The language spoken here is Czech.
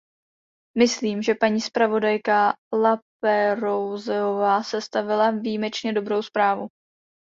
Myslím, že paní zpravodajka Laperrouzeová sestavila výjimečně dobrou zprávu.